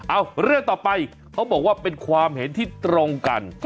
เอาเรื่องต่อไปเขาบอกว่าเป็นความเห็นที่ตรงกัน